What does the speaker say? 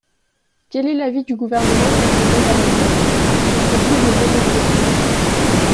Quel est l’avis du Gouvernement sur ces deux amendements ? Ils poursuivent le même objectif.